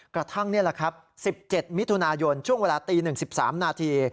กระทั่งนี่แหละครับ๑๗มิถุนายนช่วงเวลาตี๑๑๓นาที